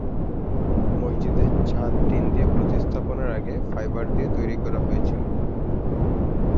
মসজিদের ছাদ টিন দিয়ে প্রতিস্থাপনের আগে ফাইবার দিয়ে তৈরি করা হয়েছিল।